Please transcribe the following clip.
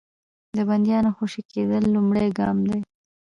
د بندیانو خوشي کېدل لومړی ګام دی.